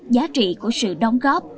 giá trị của sự đóng góp